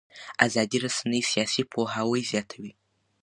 ازادې رسنۍ سیاسي پوهاوی زیاتوي